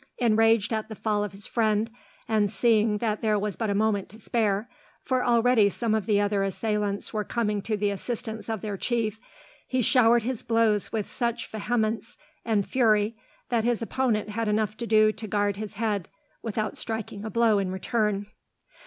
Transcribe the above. Enraged at the fall of his friend, and seeing that there was but a moment to spare, for already some of the other assailants were coming to the assistance of their chief, he showered his blows with such vehemence and fury that his opponent had enough to do to guard his head, without striking a blow in return.